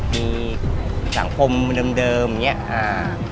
มีสังคมเดิมอย่างนี้